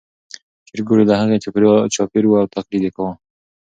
چرګوړي له هغې چاپېر وو او تقلید یې کاوه.